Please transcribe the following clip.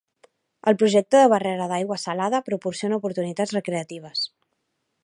El projecte de barrera d'aigua salada proporciona oportunitats recreatives.